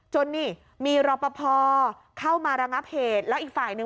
นี่มีรอปภเข้ามาระงับเหตุแล้วอีกฝ่ายหนึ่ง